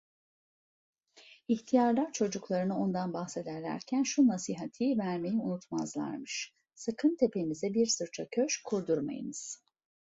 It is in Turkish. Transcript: İhtiyarlar çocuklarına ondan bahsederlerken, şu nasihati vermeyi unutmazlarmış: "Sakın tepenize bir sırça köşk kurdurmayınız."